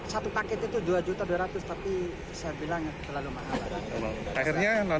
satu paket itu dua juta dua ratus tapi saya bilang terlalu mahal